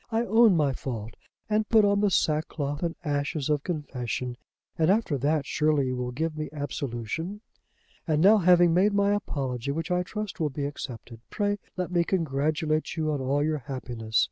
I own my fault and put on the sackcloth and ashes of confession, and, after that, surely you will give me absolution. "And now, having made my apology, which I trust will be accepted, pray let me congratulate you on all your happiness.